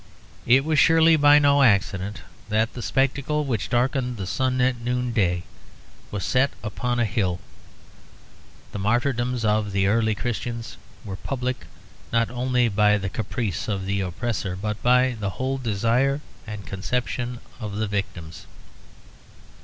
It was surely by no accident that the spectacle which darkened the sun at noonday was set upon a hill. The martyrdoms of the early Christians were public not only by the caprice of the oppressor, but by the whole desire and conception of the victims.